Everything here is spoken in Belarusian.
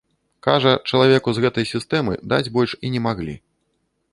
Кажа, чалавеку з гэтай сістэмы даць больш і не маглі.